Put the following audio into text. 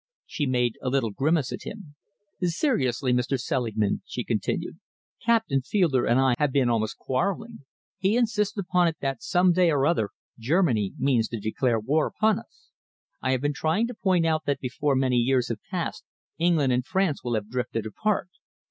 She made a little grimace at him. "Seriously, Mr. Selingman," she continued, "Captain Fielder and I have been almost quarrelling. He insists upon it that some day or other Germany means to declare war upon us. I have been trying to point out that before many years have passed England and France will have drifted apart.